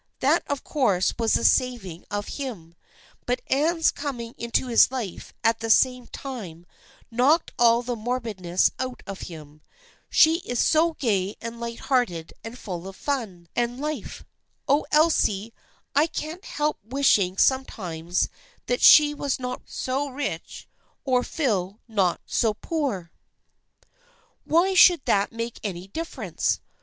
That of course was the saving of him, but Anne's coming into his life at the same time knocked all the morbidness out of him. She is so gay and light hearted and full of fun and life. Oh, Elsie, I can't help wishing sometimes that she were not so rich, or Phil not so poor !" 326 THE FRIENDSHIP OF ANNE " Why should that make any difference